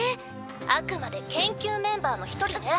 あくまで研究メンバーの１人ね。